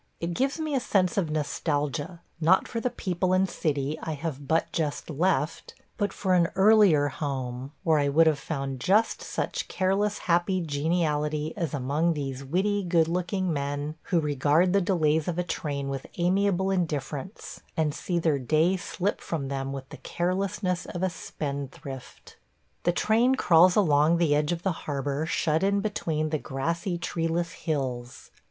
It gives me a sense of nostalgia, not for the people and city I have but just left, but for an earlier home, where I would have found just such carelessly happy geniality as among these witty, good looking men who regard the delays of a train with amiable indifference, and see their day slip from them with the carelessness of a spendthrift. The train crawls along the edge of the harbor shut in between the grassy, treeless hills.